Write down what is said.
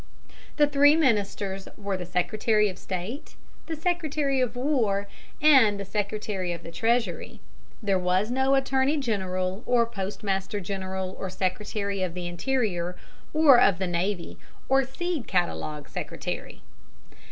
The three ministers were the Secretary of State, the Secretary of War, and the Secretary of the Treasury. There was no Attorney General, or Postmaster General, or Secretary of the Interior, or of the Navy, or Seed Catalogue Secretary.